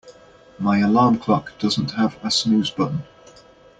My alarm clock doesn't have a snooze button.